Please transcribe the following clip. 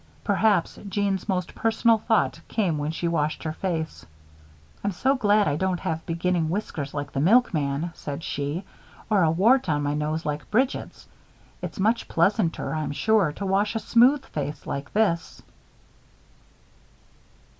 Perhaps Jeanne's most personal thought came when she washed her face. "I'm so glad I don't have beginning whiskers like the milkman," said she, "or a wart on my nose like Bridget's. It's much pleasanter, I'm sure, to wash a smooth face like this."